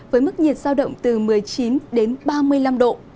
với mức nhiệt giao động từ một mươi chín đến ba mươi năm độ